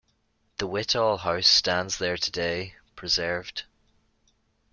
The Whitall House stands there today, preserved.